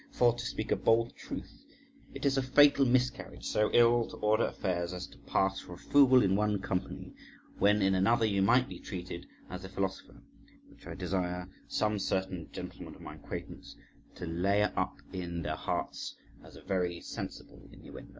For, to speak a bold truth, it is a fatal miscarriage so ill to order affairs as to pass for a fool in one company, when in another you might be treated as a philosopher; which I desire some certain gentlemen of my acquaintance to lay up in their hearts as a very seasonable innuendo.